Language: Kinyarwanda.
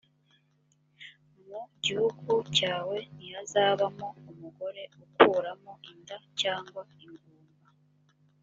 mu gihugu cyawe ntihazabamo umugore ukuramo inda cyangwa ingumba